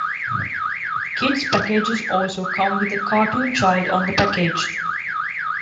Kid's packages also come with a cartoon child on the package.